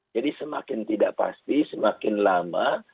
jadi semakin tidak pasti semakin lama